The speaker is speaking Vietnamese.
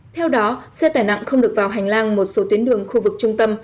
theo đó xe tải nặng không được vào hành lang một số tuyến đường khu vực trung tâm